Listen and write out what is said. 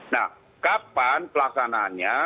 nah kapan pelaksanaannya